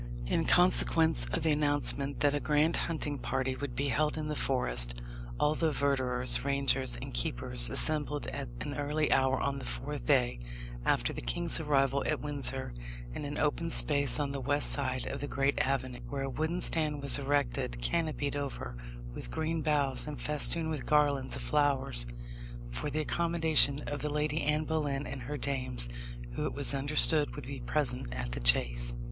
In consequence of the announcement that a grand hunting party would be held in the forest, all the verderers, rangers, and keepers assembled at an early hour on the fourth day after the king's arrival at Windsor in an open space on the west side of the great avenue, where a wooden stand was erected, canopied over with green boughs and festooned with garlands of flowers, for the accommodation of the Lady Anne Boleyn and her dames, who, it was understood, would be present at the chase.